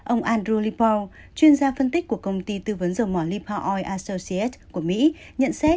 ông andrew lippow chuyên gia phân tích của công ty tư vấn dầu mỏ lippow oil associates của mỹ nhận xét